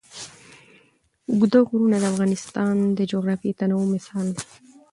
اوږده غرونه د افغانستان د جغرافیوي تنوع مثال دی.